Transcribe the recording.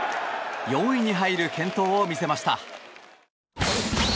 ４位に入る健闘を見せました。